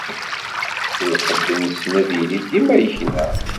Lqedd-nsen ad yili dima yekna.